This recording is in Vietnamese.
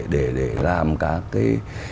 để làm các cái